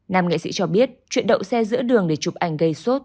nam nghệ sĩ cho biết chuyện đậu xe giữa đường để chụp ảnh gây sốt